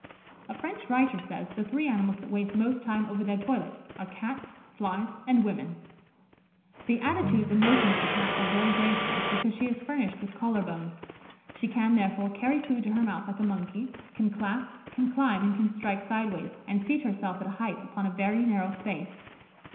A French writer says, the three animals that waste most time over their toilet are cats, flies, and women. The attitudes and motions of a Cat are very graceful, because she is furnished with collar bones. She can, therefore, carry food to her mouth like a monkey, can clasp, can climb, and can strike sideways, and seat herself at a height upon a very narrow space.